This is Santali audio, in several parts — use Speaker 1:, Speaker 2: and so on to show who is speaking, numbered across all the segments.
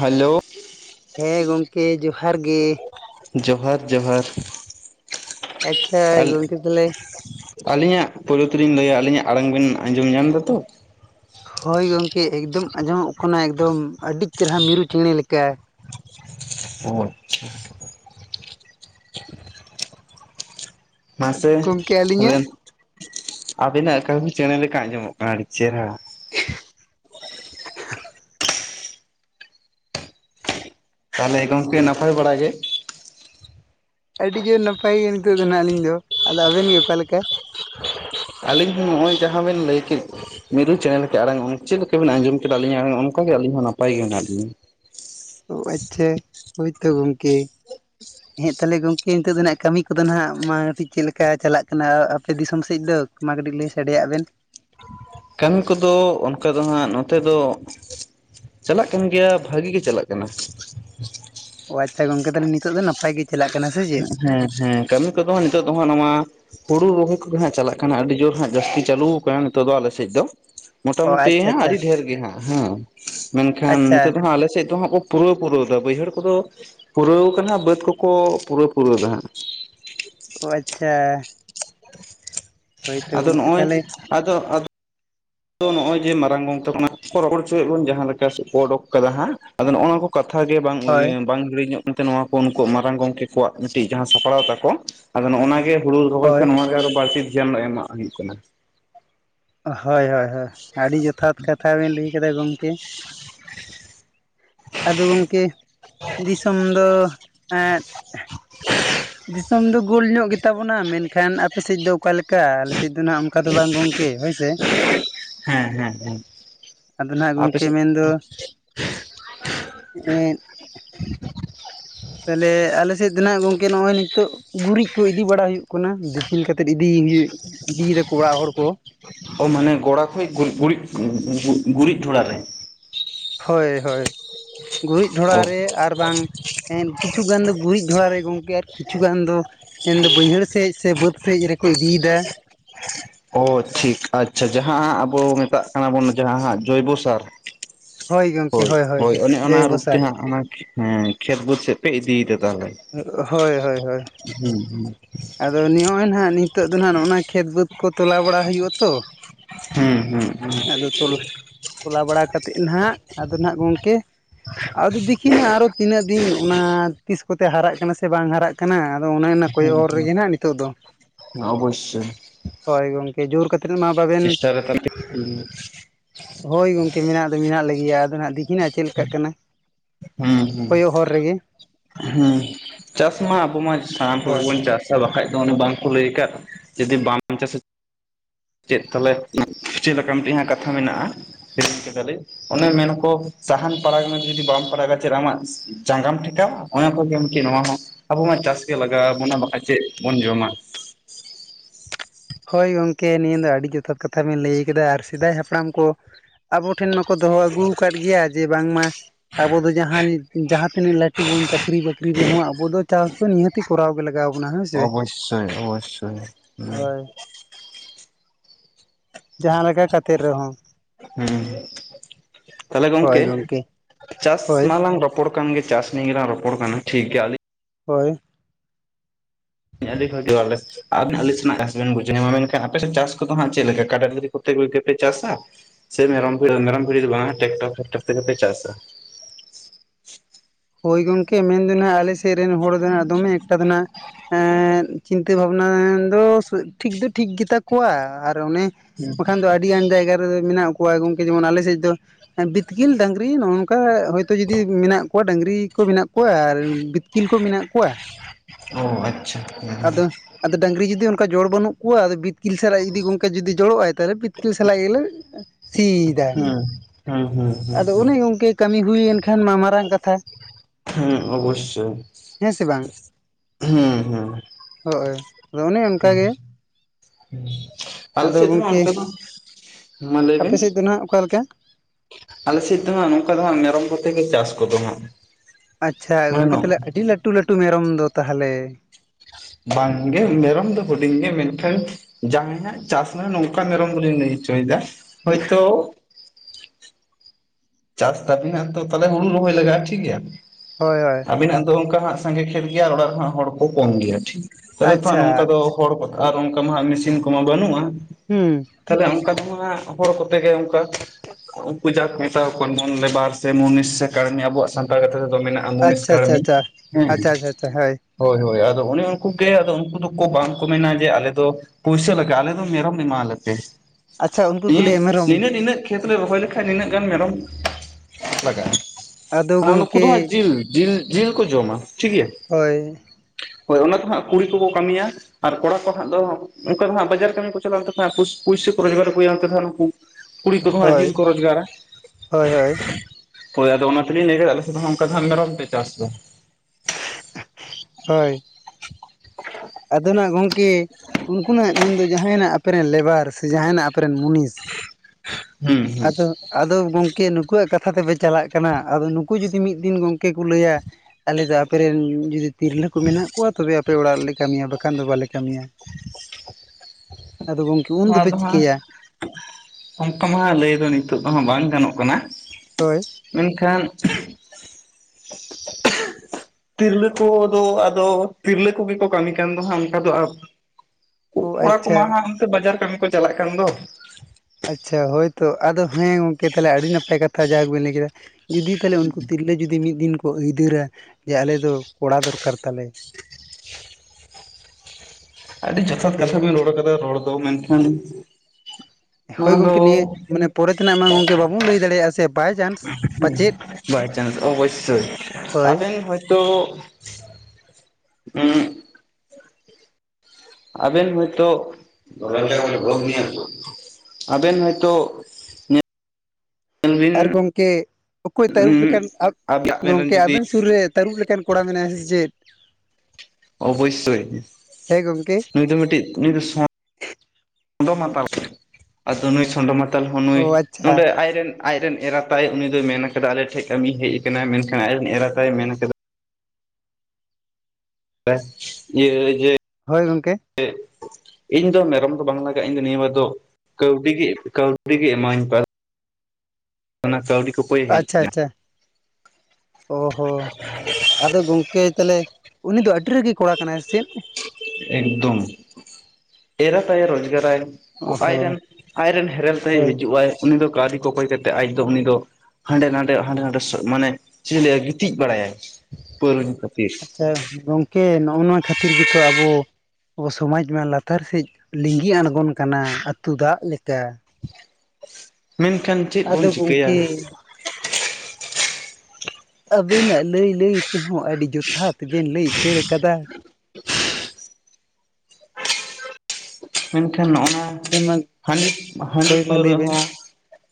Speaker 1: ᱦᱮᱞᱳ ᱾
Speaker 2: ᱦᱮᱸ ᱜᱚᱢᱠᱮ ᱡᱚᱦᱟᱨ ᱜᱮ ᱾
Speaker 1: ᱡᱚᱦᱟᱨ ᱡᱚᱦᱟᱨ ᱾
Speaker 2: ᱟᱪᱷᱟ ᱜᱚᱢᱠᱮ ᱛᱟᱦᱞᱮ ᱾
Speaker 1: ᱟᱞᱤᱧᱟᱜ ᱯᱳᱭᱞᱳ ᱛᱮᱞᱤᱧ ᱞᱟᱹᱭᱟ ᱟᱹᱞᱤᱧᱟᱜ ᱟᱲᱟᱝ ᱵᱤᱱ ᱟᱸᱡᱚᱢ ᱧᱟᱢ ᱮᱫᱟ ᱛᱚ?
Speaker 2: ᱦᱳᱭ ᱜᱚᱢᱠᱮ ᱮᱠᱫᱚᱢ ᱟᱸᱡᱚᱢᱚᱜ ᱠᱟᱱᱟ ᱮᱠᱫᱚᱢ ᱟᱹᱰᱤ ᱪᱮᱨᱦᱟ ᱢᱤᱨᱩ ᱪᱮᱬᱮ ᱞᱮᱠᱟ ᱾
Speaker 1: [inaudible] ᱢᱟᱥᱮ
Speaker 2: ᱜᱚᱝᱠᱮ
Speaker 1: ᱛᱟᱦᱚᱞᱮ
Speaker 2: ᱟᱹᱞᱤᱧᱟᱜ
Speaker 1: ᱟᱵᱮᱱᱟᱜ ᱠᱟᱹᱦᱩ ᱪᱮᱸᱬᱮ ᱞᱮᱠᱟ ᱟᱸᱡᱚᱢᱚᱜ ᱠᱟᱱᱟ ᱟᱹᱰᱤ ᱪᱮᱦᱨᱟ ᱾ ᱛᱟᱦᱚᱞᱮ ᱜᱚᱝᱠᱮ ᱱᱟᱯᱟᱭ ᱵᱟᱲᱟ ᱜᱮ?
Speaker 2: ᱟᱹᱰᱤ ᱡᱳᱨ ᱱᱟᱯᱟᱭ ᱜᱮ ᱱᱤᱛᱚᱜ ᱫᱚ ᱱᱟᱦᱟᱜ ᱟᱹᱞᱤᱧ ᱫᱚ ᱾ ᱟᱫᱚ ᱟᱵᱮᱱ ᱜᱮ ᱚᱠᱟᱮ ᱞᱮᱠᱟ?
Speaker 1: ᱟᱹᱞᱤᱧ ᱦᱚᱸ ᱱᱚᱜᱼᱚᱭ ᱡᱟᱦᱟᱸᱵᱤᱱ ᱞᱟᱹᱭ ᱠᱮᱫ ᱾ ᱢᱤᱨᱩ ᱪᱮᱸᱬᱮ ᱞᱮᱠᱟ ᱟᱲᱟᱝ ᱪᱮᱫ ᱞᱮᱠᱟᱵᱤᱱ ᱟᱸᱡᱚᱢ ᱠᱮᱫᱟᱞᱤᱧ ᱚᱱᱠᱟᱜᱮ ᱟᱹᱞᱤᱧ ᱦᱚᱸ ᱱᱟᱯᱟᱭ ᱜᱮ ᱢᱮᱱᱟᱜ ᱞᱤᱧᱟ ᱾
Speaker 2: ᱚ ᱟᱪᱷᱟ ᱦᱚᱳᱭ ᱛᱚ ᱜᱚᱢᱠᱮ ᱾ ᱦᱮᱸ ᱛᱟᱦᱚᱞᱮ ᱜᱚᱝᱠᱮ ᱱᱤᱛᱚᱜ ᱫᱚ ᱱᱷᱟᱜ ᱠᱟᱹᱢᱤ ᱠᱚᱫᱚ ᱱᱷᱟᱜ ᱢᱟ ᱠᱟᱹᱴᱤᱡ ᱪᱮᱫ ᱞᱮᱠᱟ ᱪᱟᱞᱟᱜ ᱠᱟᱱᱟ ᱟᱯᱮ ᱫᱤᱥᱚᱢ ᱥᱮᱫ ᱫᱚ? ᱢᱟ ᱠᱟᱹᱴᱤᱡ ᱞᱟᱹᱭ ᱥᱟᱰᱮᱭᱟᱜ ᱵᱮᱱ ᱾
Speaker 1: ᱠᱟᱹᱢᱤ ᱠᱚᱫᱚ ᱚᱱᱠᱟ ᱫᱚ ᱱᱦᱟᱸᱜ ᱱᱚᱛᱮ ᱫᱚ ᱾ ᱪᱟᱞᱟᱜ ᱠᱟᱱ ᱜᱮᱭᱟ ᱵᱷᱟᱹᱜᱤ ᱜᱮ ᱪᱟᱞᱟᱜ ᱠᱟᱱᱟ ᱾
Speaker 2: ᱚ ᱟᱪᱷᱟ ᱜᱚᱝᱠᱮ ᱛᱟᱦᱚᱞᱮ ᱱᱤᱛᱚᱜ ᱫᱚ ᱱᱟᱯᱟᱭ ᱜᱮ ᱪᱟᱞᱟᱜ ᱠᱟᱱᱟ ᱥᱮ ᱪᱮᱫ?
Speaker 1: ᱦᱮᱸ ᱦᱮᱸ ᱠᱟᱹᱢᱤ ᱠᱚᱫᱚ ᱱᱤᱛᱚᱜ ᱫᱚ ᱦᱟᱜ ᱱᱚᱣᱟ ᱾ ᱦᱩᱲᱩ ᱨᱚᱦᱚᱭ ᱠᱚᱜᱮ ᱦᱟᱸᱜ ᱪᱟᱞᱟᱜ ᱠᱟᱱᱟ ᱟᱹᱰᱤ ᱡᱳᱨ ᱦᱟᱸᱜ ᱡᱟᱹᱥᱛᱤ ᱪᱟᱹᱞᱩ ᱠᱟᱱᱟ ᱱᱤᱛᱚᱜ ᱫᱚ ᱟᱞᱮ ᱥᱮᱫ ᱫᱚ ᱾ ᱢᱚᱴᱟ
Speaker 2: ᱚ
Speaker 1: ᱢᱩᱴᱤ
Speaker 2: ᱟᱪᱪᱷᱟ ᱟᱪᱪᱷᱟ
Speaker 1: ᱟᱹᱰᱤ ᱰᱷᱮᱨ ᱜᱮ ᱦᱟᱸᱜ ᱦᱮᱸ ᱢᱮᱱᱠᱷᱟᱱ
Speaker 2: ᱟᱪᱪᱷᱟ
Speaker 1: ᱱᱤᱛᱚᱜ ᱫᱚ ᱦᱟᱜ ᱟᱞᱮᱥᱮᱫ ᱫᱚ ᱦᱟᱜ ᱠᱚ ᱾ ᱯᱩᱨᱟᱹᱣ ᱯᱩᱨᱟᱹᱣᱮᱫᱟ ᱵᱟᱹᱭᱦᱟᱹᱲ ᱠᱚᱫᱚ ᱯᱩᱨᱟᱹᱣ ᱟᱠᱟᱱᱟ ᱵᱟᱹᱫᱽ ᱠᱚᱠᱚ ᱾ ᱯᱩᱨᱟᱹ ᱯᱩᱨᱟᱹ ᱮᱫᱟ ᱦᱟᱜ ᱾
Speaker 2: ᱚ ᱟᱪᱷᱟ ᱾
Speaker 1: ᱟᱫᱚ
Speaker 2: ᱜᱚᱝᱠᱮ
Speaker 1: ᱱᱚᱜᱼᱚᱭ
Speaker 2: ᱛᱟᱦᱚᱞᱮ
Speaker 1: ᱟᱫᱚ ᱟᱫᱚ ᱾ ᱟᱫᱚ ᱱᱚᱜᱚᱭ ᱡᱮ ᱢᱟᱨᱟᱝ ᱜᱚᱝ ᱛᱟᱠᱚᱱᱟᱜ ᱠᱚ ᱨᱚᱦᱚᱲ ᱦᱚᱪᱚᱭᱮᱫ ᱵᱚᱱ ᱡᱟᱦᱟᱸ ᱠᱚ ᱩᱰᱩᱠ ᱠᱟᱫᱟ ᱦᱟᱸᱜ ᱟᱫᱚ ᱱᱚᱜᱚ ᱱᱚᱣᱟ ᱠᱚ ᱾ ᱠᱟᱛᱷᱟᱜ ᱜᱮ ᱵᱟᱝ
Speaker 2: ᱦᱳᱭ
Speaker 1: ᱵᱟᱝ ᱤᱭᱟᱹ ᱦᱤᱲᱤᱧᱚᱜ ᱾ ᱮᱱᱛᱮ ᱱᱚᱣᱟ ᱠᱚ ᱩᱱᱠᱩᱣᱟᱜ ᱢᱟᱨᱟᱝ ᱜᱚᱝᱠᱮ ᱠᱚᱣᱟᱜ ᱢᱤᱫᱴᱤᱡ ᱡᱟᱦᱟᱸ ᱥᱟᱯᱲᱟᱣ ᱛᱟᱠᱚ ᱟᱫᱚ ᱱᱚᱜᱚ ᱱᱚᱣᱟ ᱜᱮ ᱾ ᱦᱩᱲᱩ ᱨᱚᱦᱚᱭ
Speaker 2: ᱦᱳᱭ
Speaker 1: ᱠᱷᱱ ᱱᱚᱣᱟ ᱜᱮ ᱟᱨᱦᱚ ᱵᱟᱹᱲᱛᱤ ᱫᱷᱮᱭᱟᱱ ᱮᱢᱟᱜ ᱦᱩᱭᱩᱜ ᱠᱟᱱᱟ ᱾
Speaker 2: ᱦᱳᱭ ᱦᱳᱭ ᱦᱳᱭ ᱟᱹᱰᱤ ᱡᱚᱛᱷᱟᱛ ᱠᱟᱛᱷᱟ ᱵᱤᱱ ᱞᱟᱹᱭ ᱟᱠᱮᱫᱟ ᱜᱚᱢᱠᱮ ᱾ ᱟᱫᱚ ᱜᱚᱢᱠᱮ ᱫᱤᱥᱚᱢ ᱫᱚ ᱮᱸ ᱾ ᱫᱤᱥᱚᱢ ᱫᱚ ᱜᱳᱞ ᱧᱚᱜ ᱜᱮ ᱛᱟᱵᱚᱱᱟ ᱢᱮᱱᱠᱷᱟᱱ ᱟᱯᱮ ᱥᱮᱫ ᱫᱚ ᱚᱠᱟ ᱞᱮᱠᱟ ᱟᱞᱮ ᱥᱮᱫ ᱫᱚ ᱱᱟᱦᱟᱜ ᱾ ᱚᱱᱠᱟ ᱫᱚ ᱵᱟᱝ ᱜᱚᱝᱠᱮ ᱦᱳᱭ ᱥᱮ ᱾
Speaker 1: ᱦᱮᱸ ᱦᱮᱸ ᱦᱮᱸ
Speaker 2: ᱟᱫᱚ ᱱᱟᱦᱟᱜ
Speaker 1: ᱟᱯᱮ
Speaker 2: ᱜᱚᱝᱠᱮ
Speaker 1: ᱥᱮᱫ
Speaker 2: ᱢᱮᱱᱫᱚ ᱾ ᱦᱮ [inaudible] ᱛᱟᱦᱚᱞᱮ ᱟᱞᱮᱥᱮᱫ ᱫᱚ ᱱᱦᱟᱜ ᱜᱚᱝᱠᱮ ᱱᱚᱜᱚᱭ ᱱᱤᱛᱚᱜ ᱜᱩᱨᱤᱡ ᱠᱚ ᱤᱫᱤ ᱵᱟᱲᱟ ᱦᱩᱭᱩᱜ ᱾ ᱠᱟᱱᱟ ᱫᱤᱯᱤᱞ ᱠᱟᱛᱮᱫ ᱤᱫᱤᱭ ᱦᱩᱭᱩᱜ ᱤᱫᱤᱭᱮᱫᱟᱠᱚ ᱚᱲᱟᱜ ᱦᱚᱲ ᱠᱚ ᱾
Speaker 1: ᱚ ᱢᱟᱱᱮ ᱜᱚᱲᱟ ᱠᱷᱚᱡ ᱜᱩᱨᱤᱡ ᱜᱩᱨᱤᱡ ᱰᱷᱚᱰᱟ ᱨᱮ ᱾
Speaker 2: ᱦᱳᱭ ᱦᱳᱭ ᱜᱩᱨᱤᱡ ᱰᱷᱚᱰᱟ
Speaker 1: ᱚ
Speaker 2: ᱨᱮ ᱟᱨ ᱵᱟᱝ ᱾ ᱮᱱ ᱠᱤᱪᱷᱩ ᱜᱟᱱ ᱫᱚ ᱜᱩᱨᱤᱡ ᱰᱦᱚᱰᱟᱜ ᱨᱮ ᱜᱚᱝᱠᱮ ᱟᱨ ᱠᱤᱪᱷᱩ ᱜᱟᱱ ᱫᱚ ᱾ ᱢᱮᱱ ᱫᱚ ᱵᱟᱹᱭᱦᱟᱹᱲ ᱥᱮᱡ ᱥᱮ ᱵᱟᱹᱫᱽ ᱥᱮᱡ ᱨᱮᱠᱚ ᱤᱫᱤᱭᱮᱫᱟ ᱾
Speaker 1: ᱚ ᱴᱷᱤᱠ ᱟᱪᱷᱟ ᱡᱟᱦᱟᱸ ᱟᱵᱚ ᱢᱮᱛᱟᱜ ᱠᱟᱱᱟ ᱵᱚᱱ ᱡᱟᱦᱟᱸ ᱦᱟᱸᱜ ᱡᱳᱭᱵᱚ ᱥᱟᱨ ᱾ ᱦᱳᱭ, ᱦᱳᱭ ᱚᱱᱮ ᱚᱱᱟ ᱨᱩᱯ ᱛᱮ ᱦᱟᱸᱜ ᱚᱱᱟ ᱦᱮᱸ ᱠᱷᱮᱛ ᱵᱟᱹᱫᱽ ᱥᱮᱫ ᱯᱮ ᱤᱫᱤᱭᱮᱫᱟ ᱛᱟᱦᱞᱮ?
Speaker 2: ᱦᱳᱭ ᱦᱳᱭ ᱦᱳᱭ᱾
Speaker 1: ᱦᱩ‍ᱸ ᱦᱩᱸ ᱦᱩᱸ᱾
Speaker 2: ᱟᱫᱚ ᱱᱚᱜ-ᱚᱭ ᱱᱟᱦᱟᱜ ᱱᱤᱛᱳᱜ ᱫᱚ ᱱᱟᱦᱟᱜ ᱠᱷᱮᱛ ᱵᱟᱹᱫᱽ ᱠᱚ ᱛᱚᱞᱟ ᱵᱟᱲᱟ ᱦᱩᱭᱩᱜ-ᱟ ᱛᱚ᱾
Speaker 1: ᱦᱩᱸ ᱦᱩᱸ
Speaker 2: ᱟᱫᱚ
Speaker 1: ᱦᱩᱸ,
Speaker 2: ᱛᱚᱞᱟ
Speaker 1: ᱩᱸ᱾
Speaker 2: ᱛᱚᱞᱟ ᱵᱟᱲᱟ ᱠᱟᱛᱮᱫ ᱱᱟᱦᱟᱜ ᱟᱫᱚ ᱱᱟᱦᱟᱜ ᱜᱚᱝᱠᱮ ᱟᱫᱚ ᱫᱤᱠᱷᱤ ᱱᱟᱦᱟᱜ ᱟᱨᱚ ᱛᱤᱱᱟᱹᱜ ᱫᱤᱱ ᱚᱱᱟ ᱛᱤᱥ ᱠᱚᱛᱮ ᱦᱟᱨᱟᱜ ᱠᱟᱱᱟ ᱥᱮ ᱵᱟᱝ ᱦᱟᱨᱟᱜ ᱠᱟᱱᱟ ᱟᱫᱚ ᱚᱱᱮ ᱚᱱᱟ ᱠᱚᱭᱚᱜ ᱦᱚᱨ
Speaker 1: ᱦᱩᱸ,
Speaker 2: ᱨᱮᱜᱮ ᱱᱟᱦᱟᱜ ᱱᱤᱛᱚᱜ ᱫᱚ
Speaker 1: ᱚᱵᱚᱥᱥᱳᱭ᱾
Speaker 2: ᱦᱳᱭ ᱜᱚᱝᱠᱮ ᱡᱳᱨ ᱠᱟᱛᱮᱫ ᱢᱟ ᱵᱟᱵᱮᱱ,
Speaker 1: ᱪᱮᱥᱴᱟ ᱨᱮ ᱛᱟᱞᱮ ᱦᱩᱸ
Speaker 2: ᱦᱳᱭ ᱜᱚᱝ ᱠᱮ ᱢᱮᱱᱟᱜ ᱫᱚ ᱢᱮᱱᱟᱜ ᱞᱮᱜᱮᱭᱟ ᱟᱫᱚ ᱱᱟᱦᱟᱜ ᱫᱤᱠᱷᱤᱱᱟᱜ ᱪᱮᱫ ᱞᱮᱠᱟᱜ ᱠᱟᱱᱟ,
Speaker 1: ᱦᱩᱸ
Speaker 2: ᱠᱚᱭᱚᱜ ᱦᱚᱨ ᱨᱮᱜᱮ
Speaker 1: ᱦᱩᱸ ᱪᱟᱥ ᱢᱟ ᱟᱵᱚ ᱢᱟ ᱥᱟᱱᱟᱢ
Speaker 2: ᱦᱳᱭ
Speaker 1: ᱠᱚᱜᱮᱵᱚᱱ ᱪᱟᱥ ᱵᱟᱠᱷᱟᱡ ᱚᱱᱮ ᱩᱱᱤ ᱵᱟᱝᱠᱚ ᱞᱟᱹᱭ ᱟᱠᱟᱫ ᱡᱩᱫᱤ ᱵᱟᱢ ᱪᱟᱥᱟ ᱪᱮᱫ ᱛᱟᱞᱦᱮ ᱪᱮᱫ ᱞᱮᱠᱟ ᱢᱤᱫᱴᱤᱡ ᱦᱟᱸᱜ ᱠᱟᱛᱷᱟ ᱢᱮᱱᱟᱜ-ᱟ ᱦᱤᱲᱤᱧ ᱠᱟᱫᱟᱞᱤᱧ᱾ ᱚᱱᱮ ᱢᱮᱱᱟ ᱴᱠᱚ ᱥᱟᱦᱟᱱ ᱯᱟᱲᱟᱜ ᱢᱮ ᱡᱩᱫᱤ ᱵᱟᱢ ᱯᱟᱲᱟᱜᱟᱼᱟ ᱪᱮᱫ ᱟᱢᱟᱜ ᱡᱟᱸᱜᱟᱢ ᱴᱷᱮᱠᱟᱣᱟ? ᱚᱱᱟ ᱠᱚ ᱜᱚᱝᱠᱮ ᱱᱚᱣᱟ ᱦᱚᱸ ᱟᱵᱚ ᱢᱟ ᱪᱟᱥᱜᱮ ᱞᱟᱜᱟᱣ ᱟᱵᱚᱱᱟ ᱵᱟᱠᱷᱟᱡ ᱪᱮᱫ ᱵᱚᱱ ᱡᱚᱢᱟ?
Speaker 2: ᱦᱳᱭ ᱜᱚᱝᱠᱮ ᱱᱤᱭᱟᱹ ᱫᱚ ᱟᱹᱰᱤ ᱡᱚᱛᱷᱟᱛ ᱠᱟᱛᱷᱟ ᱵᱮᱱ ᱞᱟᱹᱭ ᱠᱟᱫᱟ ᱟᱨ ᱥᱮᱫᱟᱭ ᱦᱟᱯᱲᱟᱢ ᱠᱚ ᱟᱵᱚ ᱴᱷᱮᱱ ᱢᱟᱠᱚ ᱫᱚᱦᱚ ᱟᱹᱜᱩ ᱟᱠᱟᱫ ᱜᱮᱭᱟ ᱡᱮ ᱵᱟᱝᱢᱟ ᱟᱵᱚ ᱫᱚ ᱡᱟᱦᱟᱸ, ᱡᱟᱦᱟᱸ ᱛᱤᱱᱟᱹᱜ ᱞᱟᱹᱴᱩ ᱵᱚᱱ ᱪᱟᱹᱠᱨᱤ ᱵᱟᱹᱠᱨᱤ ᱨᱮᱦᱚᱸ ᱟᱵᱚ ᱫᱚ ᱪᱟᱥ ᱫᱚ ᱱᱤᱦᱟᱹᱛᱤ ᱠᱚᱨᱟᱣ ᱜᱮ ᱞᱟᱜᱟᱣ ᱵᱚᱱᱟ ᱦᱮᱸ ᱥᱮ
Speaker 1: ᱚᱵᱚᱥᱥᱳᱭ ᱚᱵᱚᱥᱥᱳᱭ ᱦᱩᱸ᱾
Speaker 2: ᱦᱳᱭ ᱡᱟᱦᱟᱸ ᱞᱮᱠᱟ ᱠᱟᱛᱮᱜ ᱨᱮᱦᱚᱸ᱾
Speaker 1: ᱦᱩᱸ᱾ ᱛᱟᱦᱞᱮ
Speaker 2: ᱦᱳᱭ
Speaker 1: ᱜᱚᱝᱠᱮ
Speaker 2: ᱜᱚᱢᱠᱮ
Speaker 1: ᱪᱟᱥ
Speaker 2: ᱦᱳᱭ
Speaker 1: ᱢᱟᱞᱟᱝ ᱵᱟᱯ ᱨᱚᱯᱚᱲ ᱠᱟᱱ ᱜᱮ ᱪᱟᱥ ᱱᱤᱭᱮ ᱜᱮᱞᱟᱝ ᱨᱚᱯᱚᱲ ᱠᱟᱱᱟ ᱴᱷᱤᱠ ᱜᱮᱭᱟ ᱟᱹᱞᱤᱧ
Speaker 2: ᱦᱳᱭ᱾
Speaker 1: ᱟᱹᱰᱤ‌ ᱵᱷᱟᱜᱤ ᱚᱞᱮᱥ ᱟᱵ ᱟᱞᱮ ᱥᱮᱱᱟᱜ ᱪᱟᱥ ᱵᱮᱱ ᱵᱩᱡᱟ, ᱢᱮᱱᱠᱷᱟᱱ ᱟᱯᱮ ᱥᱮᱫ ᱪᱟᱥ ᱠᱚᱫᱚ ᱦᱟᱸᱜ ᱪᱮᱫ ᱞᱮᱠᱟ ᱠᱟᱰᱟ ᱰᱟᱹᱝᱨᱤ ᱠᱚᱛᱮ ᱜᱮ ᱯᱮ ᱪᱟᱥᱟ? ᱥᱮ ᱢᱮᱨᱚᱢ ᱵᱷᱤᱲᱤ, ᱢᱮᱨᱚᱢ ᱵᱷᱤᱰᱤ ᱫᱚ ᱵᱟᱝ-ᱟ ᱴᱮᱠᱴᱟᱨ ᱯᱷᱮᱠᱴᱟᱨ ᱛᱮᱜᱮ ᱯᱮ ᱪᱟᱥᱟ?
Speaker 2: ᱦᱳᱭ ᱜᱚᱝᱠᱮ ᱢᱮᱱ ᱫᱚ ᱱᱟᱦᱟᱜ ᱟᱞᱮᱥᱮᱫ ᱨᱮᱱ ᱦᱚᱲ ᱫᱚ ᱱᱟᱦᱟᱜ ᱫᱚᱢᱮ ᱮᱠᱴᱟ ᱫᱚ ᱱᱟᱦᱟᱜ ᱮᱻᱱ ᱪᱤᱱ ᱛᱟᱹ ᱵᱷᱟᱵᱱᱟ ᱫᱚ ᱴᱷᱤᱠ ᱫᱚ ᱴᱷᱤᱠ ᱜᱮᱛᱟ ᱠᱚᱣᱟ ᱟᱨ ᱚᱱᱮ ᱵᱟᱠᱷᱟᱱ ᱫᱚ ᱟᱹᱰᱤ ᱜᱟᱱ ᱡᱟᱭᱜᱟ ᱨᱮᱫᱚ ᱢᱮᱱᱟᱜ ᱠᱚᱣᱟ ᱜᱚᱝᱠᱮ ᱡᱮᱢᱚᱱ ᱟᱞᱮ ᱥᱮᱫ ᱫᱚ ᱵᱤᱛᱠᱤᱞ ᱰᱟᱝᱨᱤ ᱱᱚᱜ-ᱚᱝᱠᱟ ᱦᱳᱭᱛᱚ ᱡᱩᱫᱤ ᱢᱮᱱᱟᱜ ᱠᱚᱣᱟ ᱰᱟᱹᱝᱨᱤ ᱠᱚ ᱢᱮᱱᱟᱜ ᱠᱚᱣᱟ ᱟᱨ ᱵᱤᱛᱠᱤᱞ ᱠᱚ ᱢᱮᱱᱟᱜ ᱠᱚᱣᱟ᱾
Speaker 1: ᱚ, ᱟᱪᱪᱷᱟ ᱦᱮᱸ᱾
Speaker 2: ᱟᱫᱚ ᱟᱫᱚ ᱰᱟᱹᱝᱨᱤ ᱡᱩᱫᱤ ᱚᱱᱠᱟ ᱡᱚᱲ ᱵᱟᱹᱱᱩᱜ ᱠᱚᱣᱟ ᱟᱫᱚ ᱵᱤᱛ ᱠᱤᱛᱠᱤᱞ ᱥᱟᱞᱟᱜ ᱡᱩᱫᱤ ᱜᱚᱢᱠᱮ ᱡᱩᱫᱤ ᱡᱚᱲᱚᱜ-ᱟᱭ ᱛᱟᱦᱞᱮ ᱵᱤᱛᱠᱤᱞ ᱥᱟᱞᱟᱜ ᱜᱮᱞᱮ ᱥᱤᱭᱮᱫᱟ᱾
Speaker 1: ᱦᱮᱸ ᱦᱮᱸ ᱦᱮᱸ ᱦᱮᱸ
Speaker 2: ᱟᱫᱚ
Speaker 1: ᱦᱮᱸ
Speaker 2: ᱚᱱᱮ ᱜᱚᱜᱠᱮ ᱠᱟᱹᱢᱤ ᱦᱩᱭᱮᱱ ᱠᱷᱟᱱ ᱢᱟ ᱢᱟᱨᱟᱝ ᱠᱟᱛᱷᱟ᱾
Speaker 1: ᱦᱮᱸ ᱚᱵᱚᱥᱥᱳᱭ᱾
Speaker 2: ᱦᱮᱸ ᱥᱮ ᱵᱟᱝ
Speaker 1: ᱦᱩᱸ ᱦᱩᱸ᱾
Speaker 2: ᱦᱳᱭ᱾ ᱟᱫᱚ ᱚᱱᱮ ᱚᱱᱠᱟᱜᱮ
Speaker 1: ᱟᱞᱮ
Speaker 2: ᱟᱫᱚ
Speaker 1: ᱥᱮᱫ ᱦᱚᱸ
Speaker 2: ᱜᱚᱝᱠᱮ
Speaker 1: ᱚᱱᱠᱟ ᱫᱚ ᱢᱟ ᱞᱟᱹᱭ ᱵᱮᱱ᱾
Speaker 2: ᱛᱤᱱᱟᱹᱜ ᱚᱠᱟᱞᱮᱠᱟ?
Speaker 1: ᱟᱞᱮ ᱥᱮᱫ ᱫᱚ ᱦᱟᱸᱜ ᱱᱚᱝᱠᱟ ᱫᱚ ᱦᱟᱸᱜ ᱢᱮᱨᱚᱢ ᱠᱚᱛᱮ ᱜᱮ ᱪᱟᱥ ᱠᱚᱫᱚ ᱦᱟᱸᱜ᱾
Speaker 2: ᱟᱪᱪᱷᱟ ᱜᱚᱝᱠᱮ
Speaker 1: ᱢᱮᱱᱚᱜ
Speaker 2: ᱛᱟᱦᱞᱮ ᱟᱹᱰᱤ ᱞᱟᱹᱴᱩ ᱞᱟᱹᱴᱩ ᱢᱮᱨᱚᱢ ᱫᱚ ᱛᱟᱦᱞᱮ᱾
Speaker 1: ᱵᱟᱝᱜᱮ ᱢᱮᱨᱚᱢ ᱫᱚ ᱦᱩᱰᱤᱧ ᱜᱮ ᱢᱮᱱᱠᱷᱟᱱ ᱡᱟᱦᱟᱸᱭᱟᱜ ᱪᱟᱥ ᱢᱟᱱᱮ ᱱᱚᱝᱠᱟ ᱢᱮᱨᱚᱢ ᱫᱚᱞᱤᱧ ᱞᱟᱹᱭ ᱚᱪᱚᱭᱫᱟ ᱦᱚᱭᱛᱳ ᱪᱟᱥ ᱛᱟᱵᱤᱱᱟ ᱛᱚ ᱛᱟᱦᱞᱮ ᱦᱩᱲᱩ ᱨᱚᱦᱚᱭ ᱞᱟᱜᱟᱜᱼᱟ ᱴᱷᱤᱠ ᱜᱮᱭᱟ᱾
Speaker 2: ᱦᱚᱭ ᱦᱚᱭ᱾
Speaker 1: ᱟᱵᱤᱱᱟᱜ ᱫᱚ ᱚᱝᱠᱟ ᱦᱟᱸᱜ ᱥᱟᱸᱜᱮ ᱠᱷᱮᱛ ᱜᱮᱭᱟ ᱟᱨ ᱚᱲᱟᱜ ᱨᱮᱦᱟᱸᱜ ᱦᱚᱲ ᱠᱚ ᱠᱚᱢ ᱜᱮᱭᱟ ᱴᱷᱤᱠ ᱛᱟᱦᱞᱮ ᱛᱚ ᱦᱟᱸᱜ
Speaker 2: ᱟᱪᱪᱷᱟ
Speaker 1: ᱱᱚᱝᱠᱟ ᱫᱚ ᱦᱚᱲ ᱠᱚ ᱟᱨ ᱚᱝᱠᱟ ᱢᱟ ᱦᱟᱸᱜ ᱢᱮᱥᱤᱱ ᱠᱚᱢᱟ ᱵᱟᱹᱱᱩᱜᱼᱟ᱾
Speaker 2: ᱦᱩᱸ
Speaker 1: ᱛᱟᱦᱞᱮ ᱚᱝᱠᱟ ᱫᱚ ᱦᱟᱸᱜ ᱦᱚᱲ ᱠᱚᱛᱮ ᱜᱮ ᱚᱝᱠᱟ [unintelligible] [unintelligible] ᱞᱮᱵᱟᱨ ᱥᱮ ᱢᱩᱱᱤᱥ ᱥᱮ ᱠᱟᱹᱲᱢᱤ ᱟᱵᱚᱣᱟᱜ ᱥᱟᱱᱛᱟᱲ ᱠᱟᱛᱷᱟ ᱨᱮᱫᱚ ᱢᱮᱱᱟᱜ ᱢᱩᱱᱤᱥ
Speaker 2: ᱟᱪᱪᱷᱟ ᱟᱪᱪᱷᱟ
Speaker 1: ᱠᱟᱹᱲᱢᱤ
Speaker 2: ᱟᱪᱪᱷᱟ
Speaker 1: ᱦᱮᱸ᱾
Speaker 2: ᱟᱪᱪᱷᱟ ᱟᱪᱪᱷᱟ ᱟᱪᱪᱷᱟ
Speaker 1: ᱦᱳᱭ ᱦᱳᱭ ᱟᱫᱚ ᱚᱱᱮ ᱩᱝᱠᱩᱜ ᱜᱮ ᱟᱫᱚ ᱩᱝᱠᱩ ᱫᱚᱠᱚ ᱵᱟᱝ ᱠᱚ ᱢᱮᱱᱟ ᱡᱮ ᱟᱞᱮ ᱫᱚ ᱯᱩᱭᱥᱟᱹ ᱞᱮᱠᱟ ᱟᱞᱮ ᱫᱚ ᱢᱮᱨᱚᱢ ᱮᱢᱟ ᱞᱮᱯᱮ
Speaker 2: ᱟᱪᱪᱷᱟ ᱩᱱᱠᱩ ᱠᱚ
Speaker 1: ᱮᱸ
Speaker 2: ᱞᱟᱹᱭᱟ ᱢᱮᱨᱚᱢ
Speaker 1: ᱱᱤᱱᱟᱹᱜ ᱱᱤᱱᱟᱹᱜ ᱠᱷᱮᱛ ᱞᱮ ᱨᱚᱦᱚᱭ ᱞᱮᱠᱷᱟᱡ ᱱᱤᱱᱟᱹᱜ ᱜᱟᱱ ᱢᱮᱨᱚᱢ ᱞᱟᱜᱟᱜᱼᱟ
Speaker 2: ᱟᱫᱚ
Speaker 1: ᱢᱟᱱᱮ ᱱᱩᱠᱩ ᱫᱚ
Speaker 2: ᱜᱚᱝᱠᱮ
Speaker 1: ᱦᱟᱸᱜ ᱡᱤᱞ ᱡᱤᱞ ᱡᱤᱞ ᱠᱚ ᱡᱚᱢᱟ ᱴᱷᱤᱠ ᱜᱮᱭᱟ᱾
Speaker 2: ᱦᱳᱭ
Speaker 1: ᱦᱳᱭ ᱚᱱᱟ ᱫᱚ ᱦᱟᱸᱜ ᱠᱩᱲᱤ ᱠᱚᱠᱚ ᱠᱟᱹᱢᱤᱭᱟ᱾ ᱟᱨ ᱠᱚᱲᱟ ᱠᱚ ᱦᱟᱸᱜ ᱫᱚ ᱚᱝᱠᱟ ᱫᱚ ᱦᱟᱸᱜ ᱵᱟᱡᱟᱨ ᱠᱟᱹᱢᱤ ᱠᱚ ᱪᱟᱞᱟᱜᱼᱟ ᱚᱱᱛᱮ ᱠᱷᱚᱱᱟᱜ ᱯᱩᱥ ᱯᱩᱭᱥᱟᱹ ᱠᱚ ᱨᱳᱡᱽᱜᱟᱨ ᱟᱹᱜᱩᱭᱟ ᱚᱱᱛᱮ ᱫᱚ ᱦᱟᱸᱜ ᱱᱩᱠᱩ ᱠᱩᱲᱤ ᱠᱚᱫᱚ ᱦᱟᱸᱜ
Speaker 2: ᱦᱳᱭ
Speaker 1: ᱡᱤᱞ ᱠᱚ ᱨᱚᱡᱽᱜᱟᱨᱟ᱾
Speaker 2: ᱦᱳᱭ ᱦᱳᱭ
Speaker 1: ᱦᱳᱭ ᱟᱫᱚ ᱚᱱᱟ ᱛᱮᱞᱤᱧ ᱞᱟᱹᱭ ᱠᱟᱫᱟ ᱟᱞᱮᱥᱮᱜ ᱫᱚ ᱦᱟᱸᱜ ᱚᱝᱠᱟ ᱫᱚ ᱦᱟᱸᱜ ᱢᱮᱨᱚᱢ ᱛᱮ ᱪᱟᱥ ᱫᱚ᱾
Speaker 2: ᱦᱳᱭ ᱟᱫᱚ ᱱᱟᱜ ᱜᱚᱝᱠᱮ ᱩᱱᱠᱩᱱᱟᱜ ᱢᱮᱱᱫᱚ ᱡᱟᱦᱟᱭᱱᱟᱜ ᱟᱯᱮᱨᱮᱱ ᱞᱮᱵᱟᱨ ᱥᱮ ᱡᱟᱦᱟᱭᱱᱟᱜ ᱟᱯᱮᱨᱮᱱ ᱢᱩᱱᱤᱥ
Speaker 1: ᱦᱩᱸ ᱦᱩᱸ
Speaker 2: ᱟᱫᱚ ᱟᱫᱚ ᱜᱚᱝᱠᱮ ᱱᱩᱠᱩᱣᱟᱜ ᱠᱟᱛᱷᱟ ᱛᱮᱯᱮ ᱪᱟᱞᱟᱜ ᱠᱟᱱᱟ ᱟᱫᱚ ᱱᱩᱠᱩ ᱡᱩᱫᱤ ᱢᱤᱫ ᱫᱤᱱ ᱜᱚᱝᱠᱮ ᱠᱚ ᱞᱟᱹᱭᱟ ᱟᱞᱮ ᱫᱚ ᱟᱯᱮᱨᱮ ᱨᱮᱱ ᱡᱩᱫᱤ ᱛᱤᱨᱞᱟᱹ ᱠᱚ ᱢᱮᱱᱟᱜ ᱠᱚᱣᱟ ᱛᱚᱵᱮ ᱟᱯᱮ ᱚᱲᱟᱜ ᱨᱮᱞᱮ ᱠᱟᱹᱢᱤᱭᱟ ᱵᱟᱠᱷᱟᱱ ᱫᱚ ᱵᱟᱞᱮ ᱠᱟᱹᱢᱤᱭᱟ ᱟᱫᱚ ᱜᱚᱝᱠᱮ ᱩᱱ
Speaker 1: ᱱᱚᱣᱟ
Speaker 2: ᱫᱚᱯᱮ
Speaker 1: ᱫᱚ ᱦᱟᱸᱜ
Speaker 2: ᱪᱤᱠᱟᱹᱭᱟ
Speaker 1: ᱚᱝᱠᱟ ᱢᱟ ᱦᱟᱸᱜ ᱞᱟᱹᱭ ᱫᱚ ᱱᱤᱛᱚᱜ ᱫᱚ ᱦᱟᱸᱜ ᱵᱟᱝ ᱜᱟᱱᱚᱜ ᱠᱟᱱᱟ᱾
Speaker 2: ᱦᱳᱭ
Speaker 1: ᱢᱮᱱᱠᱷᱟᱱ ᱛᱤᱨᱞᱟᱹ ᱠᱚ ᱫᱚ ᱟᱫᱚ ᱛᱤᱨᱞᱟᱹ ᱠᱚᱜᱮ ᱠᱚ ᱠᱟᱹᱢᱤ ᱠᱟᱱ ᱫᱚ ᱦᱟᱸᱜ ᱚᱝᱠᱟ ᱫᱚ ᱟᱨ
Speaker 2: [inaudible]
Speaker 1: ᱠᱩ-ᱠᱚᱲᱟ ᱠᱚᱢᱟ
Speaker 2: ᱟᱪᱪᱷᱟ
Speaker 1: ᱦᱟᱸᱜ ᱚᱱᱛᱮ ᱵᱟᱡᱟᱨ ᱠᱟᱹᱢᱤ ᱠᱚ ᱪᱟᱞᱟᱜ ᱠᱟᱱ ᱫᱚ᱾
Speaker 2: ᱟᱪᱪᱷᱟ ᱦᱚᱭᱛᱚ ᱟᱫᱚ ᱦᱮᱸ ᱜᱚᱝᱠᱮ ᱛᱟᱦᱞᱮ ᱟᱹᱰᱤ ᱱᱟᱯᱟᱭ ᱠᱟᱛᱷᱟ ᱡᱟᱠ ᱵᱤᱱ ᱞᱟᱹᱭ ᱠᱮᱫᱟ᱾ ᱡᱩᱫᱤ ᱛᱟᱦᱞᱮ ᱩᱝᱠᱩ ᱛᱤᱨᱞᱟᱹ ᱡᱩᱫᱤ ᱢᱤᱫ ᱫᱤᱱ ᱠᱚ ᱟᱹᱭᱫᱟᱹᱨᱟ ᱡᱮ ᱟᱞᱮ ᱫᱚ ᱠᱚᱲᱟ ᱫᱚᱨᱠᱟᱨ ᱛᱟᱞᱮ᱾ [inaudible]
Speaker 1: ᱟᱹᱰᱤ ᱡᱚᱛᱷᱟᱛ
Speaker 2: ᱦᱮᱸ
Speaker 1: ᱠᱟᱛᱷᱟ ᱵᱮᱱ ᱨᱚᱲ ᱠᱟᱫᱟ ᱨᱚᱲ ᱫᱚ ᱢᱮᱱᱠᱷᱟᱱ
Speaker 2: [inaudible] ᱦᱳᱭ
Speaker 1: ᱱᱚᱣᱟ ᱫᱚ
Speaker 2: ᱜᱚᱝᱠᱮ ᱱᱤᱭᱟᱹ ᱢᱟᱱᱮ ᱯᱚᱨᱮ ᱛᱮᱱᱟᱜ ᱢᱟ ᱜᱚᱝᱠᱮ ᱵᱟᱵᱚᱱ ᱞᱟᱹᱭ ᱫᱟᱲᱮᱭᱟᱜᱼᱟ ᱥᱮ ᱵᱟᱭᱪᱟᱱᱥ ᱯᱟᱪᱮᱫ᱾
Speaker 1: ᱵᱟᱭᱪᱟᱱᱥ ᱚᱵᱚᱥᱥᱳᱭ
Speaker 2: ᱦᱳᱭ
Speaker 1: ᱟᱵᱮᱱ ᱦᱚᱭᱛᱚ ᱩᱸ ᱟᱵᱮᱱ ᱦᱚᱭᱛᱚ [unintelligible] ᱟᱵᱮᱱ ᱦᱚᱭᱛᱚ ᱧᱮ
Speaker 2: [inaudible] ᱟᱨ ᱜᱚᱝᱠᱮ ᱚᱠᱚᱭ ᱛᱟᱹᱨᱩᱵ ᱞᱮᱠᱟᱱ ᱟ
Speaker 1: ᱟᱵᱮᱱ ᱨᱮᱱ
Speaker 2: ᱜᱚᱝᱠᱮ
Speaker 1: ᱡᱩᱫᱤ
Speaker 2: ᱟᱵᱮᱱ ᱥᱩᱨ ᱨᱮ ᱛᱟᱹᱨᱩᱵᱽ ᱞᱮᱠᱟᱱ ᱠᱚᱲᱟ ᱢᱮᱱᱟᱭᱟ ᱥᱮ ᱪᱮᱫ?
Speaker 1: ᱚᱵᱚᱥᱥᱳᱭ
Speaker 2: ᱦᱮᱸ ᱜᱚᱝᱠᱮ
Speaker 1: ᱱᱩᱭ ᱫᱚ ᱢᱤᱫᱴᱤᱡ ᱱᱩᱭ ᱫᱚ ᱥᱚᱸ-ᱰᱚ ᱢᱟᱛᱟᱞ ᱠᱟᱱᱟᱭ ᱟᱫᱚ ᱱᱩᱭ ᱥᱚᱸᱰᱚ ᱢᱟ ᱛᱟᱞ ᱦᱚᱸ ᱱᱩᱭ
Speaker 2: ᱚ
Speaker 1: ᱱᱚᱸᱰᱮ
Speaker 2: ᱟᱪᱪᱷᱟ
Speaker 1: ᱟᱭᱨᱮᱱ᱾ ᱟᱡᱨᱮᱱ ᱮᱨᱟ ᱛᱟᱭ ᱩᱱᱤ ᱫᱚᱭ ᱢᱮᱱ ᱠᱟᱫᱟ ᱟᱞᱮ ᱴᱷᱮᱡ ᱠᱟᱹᱢᱤ ᱦᱮᱡ ᱠᱟᱱᱟᱭ ᱢᱮᱱᱠᱷᱟᱱ ᱟᱡᱨᱮᱱ ᱮᱨᱟᱛᱟᱭ ᱢᱮᱱ ᱠᱟᱫᱟ᱾ ᱵᱮᱥ ᱤᱭᱟᱹ ᱡᱟᱹᱭ᱾
Speaker 2: ᱦᱳᱭ ᱜᱚᱝᱠᱮ᱾
Speaker 1: ᱤᱧ ᱫᱚ ᱢᱮᱨᱚᱢ ᱫᱚ ᱵᱟᱝ ᱞᱟᱜᱟᱜ-ᱟ ᱤᱧ ᱫᱚ ᱱᱤᱭᱟᱹ ᱵᱟᱨ ᱫᱚ᱾ ᱠᱟᱹᱣᱰᱤ ᱜᱤ ᱠᱟᱹᱣᱰᱤ ᱜᱮ ᱮᱢᱟᱣᱟᱹᱧ ᱯᱮ᱾ ᱚᱱᱟ ᱠᱟᱹᱣᱰᱤ ᱠᱷᱚᱠᱚᱭ᱾
Speaker 2: ᱟᱪᱪᱷᱟ ᱟᱪᱪᱷᱟ ᱚ ᱦᱚ᱾ ᱟᱫᱚ ᱜᱚᱢᱠᱮ ᱛᱟᱦᱞᱮ ᱩᱱᱤ ᱫᱚ ᱟᱹᱰᱤ ᱨᱟᱜᱤ ᱠᱚᱲᱟ ᱠᱟᱱᱟᱭ ᱥᱮ ᱪᱮᱫ
Speaker 1: ᱮᱠᱫᱚᱢ ᱮᱨᱟ ᱛᱟᱭ ᱨᱳᱡᱽᱜᱟᱨ ᱟᱭ᱾
Speaker 2: ᱚ
Speaker 1: ᱟᱡᱨᱮᱱ
Speaker 2: ᱦᱚᱸ
Speaker 1: ᱟᱡᱨᱮᱱ ᱦᱮᱨᱮᱞ ᱛᱟᱭ
Speaker 2: ᱦᱳᱭ
Speaker 1: ᱦᱤᱡᱩᱜ-ᱟᱭ ᱩᱱᱤ ᱫᱚ ᱠᱟᱣᱰᱤ ᱠᱚᱠᱚᱭ ᱠᱟᱛᱮ ᱟᱡ ᱫᱚ ᱩᱱᱤ ᱫᱚ᱾ ᱦᱟᱸᱰᱮ ᱱᱟᱸᱰᱮ ᱦᱟᱸᱰᱮ ᱱᱟᱸᱰᱮ ᱢᱟᱱᱮ ᱪᱮᱜ-ᱤ ᱞᱟᱹᱭᱟ ᱜᱤᱛᱤᱡ ᱵᱟᱲᱟᱭᱟᱭ ᱯᱟᱹᱣᱨᱟᱹ ᱧᱩ ᱠᱷᱟᱹᱛᱤᱨ᱾
Speaker 2: ᱟᱪᱷᱟ ᱜᱚᱝᱠᱮ ᱱᱚᱜ ᱱᱚᱣᱟ ᱠᱷᱟᱛᱤᱨ ᱜᱮᱛᱚ ᱟᱵᱚ᱾ ᱟᱵᱚ ᱥᱚᱢᱟᱡᱽ ᱢᱟ ᱞᱟᱛᱟᱨ ᱥᱮᱡ ᱞᱤᱸᱜᱤ ᱟᱸᱬᱜᱚᱱ ᱠᱟᱱᱟ ᱟᱛᱩ ᱫᱟᱜ ᱞᱮᱠᱟ᱾
Speaker 1: ᱢᱮᱱᱠᱷᱟᱱ ᱪᱮᱫ ᱵᱚᱱ
Speaker 2: ᱟᱫᱚ
Speaker 1: ᱪᱤᱠᱟᱹᱭᱟ᱾
Speaker 2: ᱜᱚᱝᱠᱮ ᱟᱵᱤᱱᱟᱜ ᱞᱟᱹᱭ ᱞᱟᱹᱭ ᱛᱮᱦᱚᱸ ᱟᱰᱤ ᱡᱚᱛᱷᱟᱛ ᱵᱮᱱ ᱞᱟᱹᱭ ᱩᱛᱟᱹᱨ ᱠᱟᱫᱟ᱾
Speaker 1: ᱢᱮᱱᱠᱷᱟᱱ ᱱᱚᱜ-ᱱᱟ
Speaker 2: ᱦᱮᱸ ᱢᱟ
Speaker 1: ᱦᱟᱸᱰᱤ ᱦᱟᱸᱰᱤ
Speaker 2: ᱦᱳᱭ ᱢᱟ ᱞᱟᱹᱭ
Speaker 1: ᱯᱟᱹᱣᱨᱟᱹ
Speaker 2: ᱵᱮᱱ
Speaker 1: ᱦᱚᱸ᱾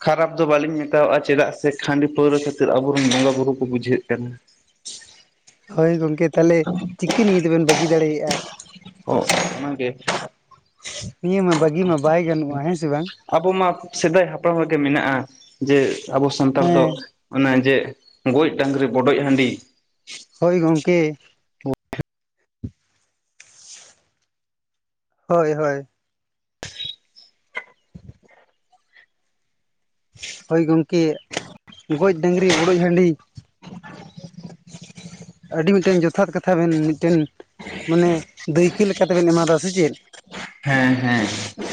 Speaker 1: ᱠᱷᱟᱨᱟᱯ ᱫᱚ ᱵᱟᱞᱤᱧ ᱢᱮᱛᱟᱣᱟᱜ-ᱟ ᱪᱮᱫᱟᱜ ᱥᱮ ᱠᱷᱟᱸᱰᱤ ᱯᱟᱹᱣᱨᱟᱹ ᱠᱷᱟᱹᱛᱤᱨ ᱟᱵᱚᱨᱮᱱ ᱵᱚᱸᱜᱟ ᱵᱩᱨᱩ ᱠᱚ ᱵᱩᱡᱷᱟᱹᱜ ᱠᱟᱱᱟ᱾
Speaker 2: ᱦᱳᱭ ᱜᱚᱢᱠᱮ ᱛᱟᱦᱞᱮ ᱪᱤᱠᱟᱹ ᱱᱤᱭᱟᱹ ᱫᱚᱵᱮᱱ ᱵᱟᱹᱜᱤ ᱫᱟᱲᱮᱭᱟᱜ-ᱟ᱾
Speaker 1: ᱚ ᱚᱱᱟᱜᱮ
Speaker 2: ᱱᱤᱭᱟᱹ ᱢᱟ ᱵᱟᱜᱤ ᱢᱟ ᱵᱟᱭ ᱜᱟᱱᱚᱜ-ᱟ ᱦᱮᱸ ᱥᱮ ᱵᱟᱝ᱾
Speaker 1: ᱟᱵᱚ ᱢᱟ ᱥᱮᱫᱟᱭ ᱦᱟᱯᱲᱟᱢ ᱨᱮ ᱜᱮ ᱢᱮᱱᱟᱜ-ᱟ ᱡᱮ ᱟᱵᱚ ᱥᱟᱱᱛᱟᱲ ᱫᱚ᱾
Speaker 2: ᱦᱮᱸ
Speaker 1: ᱚᱱᱟ ᱡᱮ ᱜᱚᱡ ᱰᱟᱸᱝᱨᱤ ᱵᱚᱰᱚᱡ ᱦᱟᱸᱰᱤ᱾
Speaker 2: ᱦᱳᱭ ᱜᱚᱢᱠᱮ᱾ ᱦᱳᱭ ᱦᱳᱭ᱾ ᱦᱳᱭ ᱜᱚᱢᱠᱮ ᱜᱚᱡ ᱰᱟᱹᱝᱨᱤ ᱵᱚᱰᱚᱡ ᱦᱟᱹᱰᱤ᱾ ᱟᱹᱰᱤ ᱢᱤᱜᱴᱮᱱ ᱡᱚᱛᱷᱟᱛ ᱠᱟᱛᱷᱟ ᱵᱮᱱ ᱢᱤᱜᱴᱮᱱ᱾ ᱢᱟᱱᱮ ᱫᱟᱹᱭᱠᱟᱹ ᱞᱮᱠᱟ ᱛᱮᱵᱮᱱ ᱮᱢᱟᱫᱟ ᱥᱮ ᱪᱮᱫ᱾
Speaker 1: ᱦᱮᱸ ᱦᱮᱸ ᱦᱮᱸ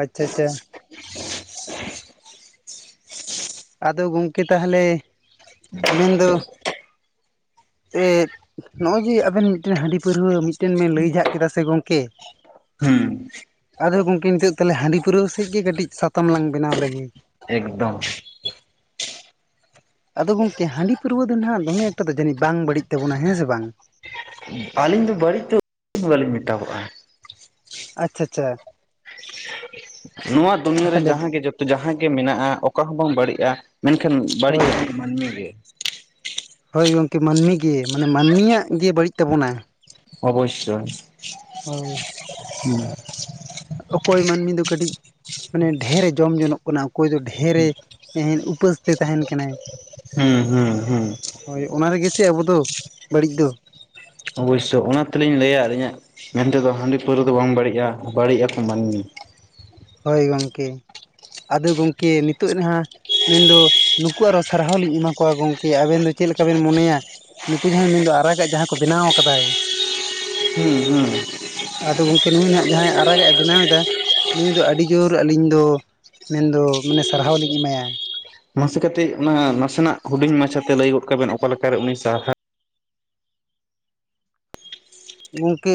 Speaker 2: ᱟᱪ-ᱪᱷᱟ ᱪᱷᱟ᱾ ᱟᱫᱚ ᱜᱚᱢᱠᱮ ᱛᱟᱦᱞᱮ ᱢᱮᱱᱫᱚ ᱮᱫ᱾ ᱱᱚᱜ-ᱚᱭ ᱡᱮ ᱟᱵᱮᱱ ᱢᱤᱜᱴᱮᱱ ᱦᱟᱸᱰᱤ ᱯᱟᱹᱨᱣᱟᱹ ᱢᱤᱜᱴᱮᱱ ᱵᱮᱱ ᱞᱟᱹᱭ ᱡᱷᱟᱜ ᱠᱮᱫᱟ ᱥᱮ ᱜᱚᱢᱠᱮ᱾
Speaker 1: ᱦᱩᱸ
Speaker 2: ᱟᱫᱚ ᱜᱚᱢᱠᱮ ᱱᱤᱛᱚᱜ ᱛᱟᱞᱦᱮ ᱦᱟᱸᱰᱤ ᱯᱟᱹᱨᱣᱟᱹ ᱥᱮᱡ ᱜᱮ ᱠᱟᱹᱴᱤᱡ ᱥᱟᱛᱟᱢ ᱞᱟᱝ ᱵᱮᱱᱟᱣ ᱞᱮᱜᱮ᱾
Speaker 1: ᱮᱠᱫᱚᱢ᱾
Speaker 2: ᱟᱫᱚ ᱜᱚᱢᱠᱮ ᱦᱟᱸᱰᱤ ᱯᱟᱹᱨᱣᱟᱹ ᱫᱚ ᱱᱷᱟᱜ ᱫᱚᱢᱮ ᱮᱠᱴᱟ ᱫᱚ ᱡᱟᱹᱱᱤᱡ ᱵᱟᱝ ᱵᱟᱹᱲᱤᱡ ᱛᱟᱵᱚᱱᱟ ᱦᱮᱸ ᱥᱮ ᱵᱟᱝ᱾
Speaker 1: ᱟᱞᱤᱧ ᱫᱚ ᱵᱟᱹᱲᱤᱡ ᱫᱚ [unintelligible] ᱵᱟᱞᱤᱧ ᱢᱮᱛᱟᱣᱟᱜ-ᱟ᱾
Speaker 2: ᱟᱪᱪᱷᱟ ᱪᱷᱟ᱾
Speaker 1: ᱱᱚᱣᱟ ᱫᱩᱱᱭᱟᱹᱨᱮ
Speaker 2: ᱛᱟᱦᱚᱞᱮ
Speaker 1: ᱡᱟᱸᱦᱟᱜᱮ ᱡᱚᱛ ᱡᱟᱸᱦᱟ ᱜᱮ ᱢᱮᱱᱟᱜ-ᱟ ᱚᱠᱟ ᱦᱚᱸ ᱵᱟᱝ ᱵᱟᱲᱤᱡ-ᱟ ᱢᱮᱱᱠᱷᱟᱱ ᱵᱟᱲᱤᱡ᱾
Speaker 2: ᱦᱳᱭ
Speaker 1: ᱢᱟᱹᱱᱢᱤ ᱜᱮ᱾
Speaker 2: ᱦᱳᱭ ᱜᱚᱢᱠᱮ ᱢᱟᱱᱢᱤ ᱜᱮ ᱢᱟᱱᱮ ᱢᱟᱱᱢᱤᱭᱟᱜ ᱜᱮ ᱵᱟᱹᱲᱤᱡ ᱛᱟᱵᱚᱱᱟ᱾
Speaker 1: ᱚᱵᱚᱥᱥᱳᱭ᱾
Speaker 2: ᱦᱳᱭ᱾
Speaker 1: ᱦᱮᱸ᱾
Speaker 2: ᱚᱠᱚᱭ ᱢᱟᱱᱢᱤ ᱫᱚ ᱠᱟᱹᱴᱤᱡ ᱢᱟᱱᱮ ᱰᱷᱮᱨᱮ ᱡᱚᱢ ᱡᱚᱱᱚᱜ ᱠᱟᱱᱟ ᱚᱠᱚᱭ ᱫᱚ ᱰᱷᱮᱨᱮ᱾ ᱮᱦᱮᱧ ᱩᱯᱟᱹᱥ ᱛᱮ ᱛᱟᱦᱮᱱ ᱠᱟᱱᱟᱭ᱾
Speaker 1: ᱦᱮᱸ ᱦᱩᱸ ᱦᱩᱸ᱾
Speaker 2: ᱦᱳᱭ ᱚᱱᱟ ᱨᱮᱜᱮ ᱥᱮ ᱟᱵᱚ ᱫᱚ ᱵᱟᱹᱲᱤᱡ ᱫᱚ᱾
Speaker 1: ᱚᱵᱚᱥᱥᱳ ᱚᱱᱟ ᱛᱮᱞᱤᱧ ᱞᱟᱹᱭᱟ ᱟᱹᱞᱤᱧᱟᱹᱜ ᱢᱮᱱᱛᱮᱫᱚ ᱦᱟᱺᱰᱤ ᱯᱟᱹᱣᱨᱟᱹ ᱫᱚ ᱵᱟᱝ ᱵᱟᱹᱲᱤᱡᱼᱟ᱾ ᱵᱟᱹᱲᱤᱡ ᱟᱠᱚ ᱢᱟᱹᱱᱢᱤ᱾
Speaker 2: ᱦᱳᱭ ᱜᱚᱢᱠᱮ, ᱟᱫᱚ ᱜᱚᱢᱠᱮ ᱱᱤᱛᱚᱜ ᱱᱟᱦᱟ ᱢᱮᱱᱫᱚ ᱱᱩᱠᱩ ᱟᱨᱚ ᱥᱟᱨᱦᱟᱣ ᱞᱤᱧ ᱮᱢᱟ ᱠᱚᱣᱟ ᱜᱚᱢᱠᱮ ᱟᱵᱮᱱ ᱫᱚ ᱪᱮᱫ ᱞᱮᱠᱟ ᱵᱮᱱ ᱢᱚᱱᱮᱭᱟ᱾ ᱱᱩᱠᱩ ᱡᱟᱦᱟᱸᱭ ᱢᱮᱱᱫᱚ ᱟᱨᱟᱜᱟᱜ ᱡᱟᱦᱟᱸ ᱠᱚ ᱵᱮᱱᱟᱣ ᱠᱟᱫᱟᱭ᱾
Speaker 1: ᱦᱩᱸ ᱦᱩᱸ
Speaker 2: ᱟᱫᱚ ᱜᱚᱢᱠᱮ ᱱᱩᱭ ᱱᱟᱦᱟᱜ ᱡᱟᱦᱟᱸᱭ ᱟᱨᱟᱜᱼᱮ ᱵᱮᱱᱟᱣ ᱮᱫᱟ᱾ ᱱᱩᱭ ᱫᱚ ᱟᱹᱰᱤ ᱡᱳᱨ ᱟᱹᱞᱤᱧ ᱫᱚ ᱢᱮᱱ ᱫᱚ ᱢᱟᱱᱮ ᱥᱟᱨᱦᱟᱣ ᱞᱤᱧ ᱮᱢᱟᱭᱟ᱾
Speaker 1: ᱢᱟᱥᱮ ᱠᱟᱴᱤᱡ ᱚᱱᱟ ᱱᱟᱥᱮᱱᱟᱜ ᱦᱩᱰᱤᱧ ᱢᱟᱪᱷᱟ ᱛᱮ ᱞᱟᱹᱭ ᱜᱚᱫ ᱠᱟᱜ ᱵᱮᱱ ᱚᱠᱟ ᱞᱮᱠᱟᱨᱮ ᱩᱱᱤ ᱥᱟᱨᱦᱟᱣ
Speaker 2: ᱜᱚᱢᱠᱮ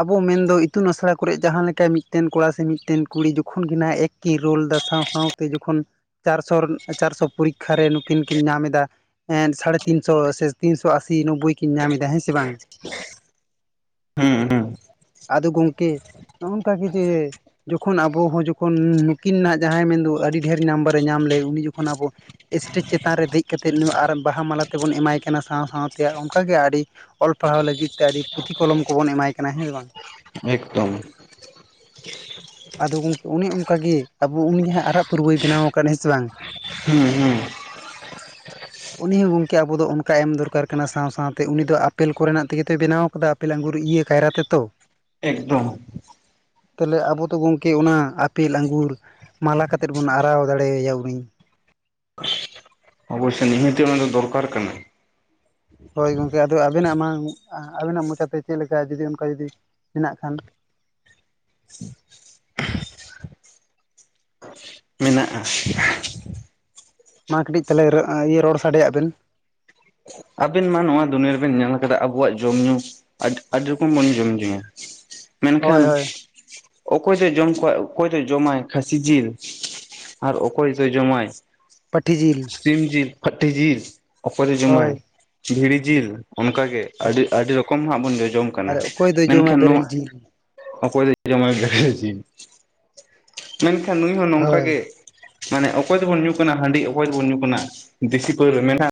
Speaker 2: ᱟᱵᱚ ᱢᱮᱱᱫᱚ ᱤᱛᱩᱱ ᱟᱥᱲᱟ ᱠᱚᱨᱮᱜ ᱡᱟᱦᱟᱸ ᱞᱮᱠᱟ ᱢᱤᱫᱴᱮᱱ ᱠᱚᱲᱟ ᱥᱮ ᱢᱤᱫᱴᱮᱱ ᱠᱩᱲᱤ ᱡᱚᱠᱷᱚᱱ ᱜᱮ ᱱᱟᱦᱟᱜ ᱮᱠ ᱠᱤᱱ ᱨᱳᱞ ᱮᱫᱟ ᱥᱟᱶ ᱥᱟᱶ ᱛᱮ ᱡᱚᱠᱷᱚᱱ ᱪᱟᱨᱥᱚᱨᱱ ᱪᱟᱨᱥᱚ ᱯᱚᱨᱤᱠᱠᱷᱟ ᱨᱮ ᱱᱩᱠᱤᱱ ᱠᱤᱱ ᱧᱟᱢ ᱮᱫᱟ ᱮᱸᱫ ᱥᱟᱲᱮ ᱛᱤᱱᱥᱚ ᱥᱮ ᱛᱤᱱᱥᱚ ᱟᱥᱤ ᱱᱚᱵᱵᱳᱭ ᱠᱤᱱ ᱧᱟᱢ ᱮᱫᱟ ᱦᱮᱸ ᱥᱮ ᱵᱟᱝ᱾
Speaker 1: ᱦᱮᱸ ᱦᱮᱸ᱾
Speaker 2: ᱟᱫᱚ ᱜᱚᱝᱠᱮ ᱱᱚᱜ-ᱚᱱᱠᱟᱠᱟ ᱜᱮ ᱡᱮ ᱡᱚᱠᱷᱚᱱ ᱟᱵᱚ ᱦᱚᱸ ᱡᱚᱠᱷᱚᱱ ᱱᱩᱠᱤᱱ ᱱᱟᱦᱜ ᱡᱟᱦᱟᱸᱭ ᱢᱮᱱᱫᱚ ᱟᱹᱰᱤ ᱰᱷᱮᱨ ᱱᱟᱢᱵᱟᱨᱮ ᱧᱟᱢ ᱞᱮᱫ ᱩᱱᱤ ᱡᱚᱠᱷᱚᱱ ᱟᱵᱚ ᱥᱴᱮᱡᱽ ᱪᱮᱛᱟᱱ ᱨᱮ ᱫᱮᱡ ᱠᱟᱛᱮᱫ ᱱᱩᱭ ᱟᱨ ᱵᱟᱦᱟ ᱢᱟᱞᱟ ᱛᱮᱵᱚᱱ ᱮᱢᱟᱭ ᱠᱟᱱᱟ ᱥᱟᱶ ᱥᱟᱶᱛᱮ ᱚᱱᱠᱟ ᱜᱮ ᱟᱹᱰᱤ ᱚᱞ ᱯᱟᱲᱦᱟᱣ ᱞᱟᱹᱜᱤᱫ ᱛᱮ ᱟᱹᱰᱤ ᱯᱩᱛᱷᱤ ᱠᱚᱞᱚᱢ ᱠᱚᱵᱚᱱ ᱮᱢᱟᱭ ᱠᱟᱱᱟ ᱦᱮᱸ ᱥᱮ ᱵᱟᱝ᱾
Speaker 1: ᱮᱠᱫᱚᱢ᱾
Speaker 2: ᱟᱫᱚ ᱜᱚᱢᱠᱮ ᱚᱱᱮ ᱚᱱᱠᱟ ᱜᱮ ᱟᱵᱚ ᱩᱱᱤ ᱡᱟᱦᱟᱸᱭ ᱟᱨᱟᱜ ᱯᱟᱹᱨᱣᱟᱹᱭ ᱵᱮᱱᱟᱣ ᱟᱠᱟᱫ ᱦᱮᱸ ᱵᱟᱝ᱾
Speaker 1: ᱦᱮᱸ ᱦᱮᱸ᱾
Speaker 2: [inaudible] ᱩᱱᱤ ᱦᱚᱸ ᱜᱚᱝᱠᱮ ᱟᱵᱚ ᱚᱱᱠᱟ ᱮᱢ ᱫᱚᱨᱠᱟᱨ ᱠᱟᱱᱟ᱾ ᱥᱟᱶ ᱥᱟᱶᱛᱮ ᱩᱱᱤ ᱫᱚ ᱟᱯᱮᱞ ᱠᱚᱨᱮᱱᱟᱜ ᱛᱮᱜᱮ ᱛᱚᱭ ᱵᱮᱱᱟᱣ ᱟᱠᱟᱫᱟ᱾ ᱟᱯᱮᱞ, ᱟᱝᱜᱩᱨ ᱤᱭᱟᱹ ᱠᱟᱭᱨᱟ ᱛᱮ᱾
Speaker 1: ᱮᱠᱫᱚᱢ᱾
Speaker 2: [inaudible] ᱛᱟᱦᱚᱞᱮ ᱟᱵᱚ ᱛᱚ ᱜᱚᱢᱠᱮ ᱚᱱᱟ ᱟᱯᱮᱞ ᱟᱸᱜᱩᱨ ᱢᱟᱞᱟ ᱠᱟᱛᱮᱫ ᱵᱚᱱ ᱟᱨᱟᱣ ᱫᱟᱲᱮᱭᱟᱭᱟ ᱩᱱᱤ᱾
Speaker 1: ᱚᱵᱚᱥᱥᱳᱭ ᱱᱤᱦᱟᱹᱛᱤ ᱚᱱᱟ ᱫᱚ ᱫᱚᱨᱠᱟᱨ ᱠᱟᱱᱟ᱾
Speaker 2: ᱦᱳᱭ ᱜᱚᱢᱠᱮ ᱟᱫᱚ ᱟᱵᱮᱱᱟᱜ ᱢᱟ ᱟᱵᱮᱱᱟᱜ ᱢᱚᱪᱟ ᱛᱮ ᱪᱮᱫ ᱞᱮᱠᱟ ᱡᱩᱫᱤ ᱚᱱᱠᱟ ᱡᱩᱫᱤ ᱢᱮᱱᱟᱜ ᱠᱷᱟᱱ᱾
Speaker 1: [inaudible] ᱢᱮᱱᱟᱜᱼᱟ᱾
Speaker 2: ᱢᱟ ᱠᱟᱹᱴᱤᱡ ᱛᱟᱦᱟᱞᱮ ᱨᱟᱹ ᱤᱭᱟᱹ ᱨᱚᱲ ᱥᱟᱰᱮᱭᱟᱜ ᱵᱮᱱ᱾
Speaker 1: ᱟᱵᱮᱱ ᱢᱟ ᱱᱚᱣᱟ ᱫᱩᱱᱤᱭᱟᱹ ᱨᱮᱵᱮᱱ ᱧᱮᱞ ᱟᱠᱟᱫᱟ ᱟᱵᱚᱣᱟᱜ ᱡᱚᱢ ᱧᱩ᱾ ᱟᱹᱰᱤ ᱟᱹᱰᱤ ᱨᱚᱠᱚᱢ ᱵᱚᱱ ᱡᱚᱢ ᱧᱩᱭᱟ
Speaker 2: ᱦᱳᱭ
Speaker 1: ᱢᱮᱱᱠᱷᱟᱱ
Speaker 2: ᱦᱳᱭ
Speaker 1: ᱚᱠᱚᱭ ᱫᱚᱭ ᱡᱚᱢ ᱠᱚᱣᱟ ᱚᱠᱚᱭ ᱫᱚ ᱡᱚᱢᱟᱭ ᱠᱷᱟᱹᱥᱤ ᱡᱤᱞ ᱟᱨ ᱚᱠᱚᱭ ᱫᱚᱭ ᱡᱚᱢ-ᱟᱭ
Speaker 2: ᱯᱟᱹᱴᱷᱤ ᱡᱤᱞ᱾
Speaker 1: ᱥᱤᱢ ᱡᱤᱞ, ᱯᱷᱟᱴᱤ ᱡᱤᱞ ᱚᱠᱚᱭ ᱫᱚᱭ
Speaker 2: ᱦᱳᱭ
Speaker 1: ᱡᱚᱢᱟᱭ ᱵᱷᱤᱲᱤ ᱡᱤᱞ ᱚᱱᱠᱟ ᱜᱮ ᱟᱹᱰᱤ
Speaker 2: ᱦᱳᱭ
Speaker 1: ᱟᱹᱰᱤ ᱨᱚᱠᱚᱢ ᱦᱟᱸᱜ ᱵᱚᱱ ᱡᱚᱡᱚᱢ ᱠᱟᱱᱟ᱾
Speaker 2: ᱟᱨ ᱚᱠᱚᱭ ᱫᱚᱭ ᱡᱚᱢᱟ
Speaker 1: ᱢᱮᱱᱠᱷᱟᱱ ᱱᱚᱣᱟ
Speaker 2: ᱵᱮᱨᱮᱞ ᱡᱤᱞ
Speaker 1: ᱚᱠᱚᱭ ᱫᱟᱭ ᱡᱚᱢᱟᱭ ᱵᱮᱨᱮᱞ ᱡᱤᱞ᱾ ᱢᱮᱱᱠᱷᱟᱱ ᱱᱩᱭ ᱦᱚᱸ ᱱᱚᱝᱠᱟ
Speaker 2: ᱦᱳᱭ
Speaker 1: ᱜᱮ ᱢᱟᱱᱮ ᱚᱠᱚᱭ ᱫᱟᱵᱚᱱ ᱧᱩ ᱠᱟᱱᱟ ᱦᱟᱺᱰᱤ, ᱚᱠᱚᱭ ᱫᱚᱵᱚᱱ ᱧᱩ ᱠᱟᱱᱟ ᱫᱮᱥᱤ ᱯᱟᱹᱣᱨᱟᱹ ᱢᱮᱱᱟᱜᱼᱟ